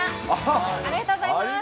ありがとうございます。